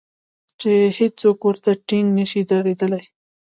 چې هېڅوک ورته ټینګ نشي درېدلای.